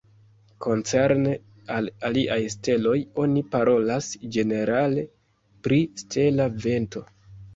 Koncerne al aliaj steloj, oni parolas ĝenerale pri stela vento.